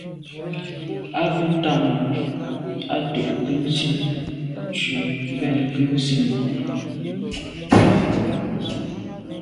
A be tam ngu’ à to’ nke ntsin tù mbèn nke nzine.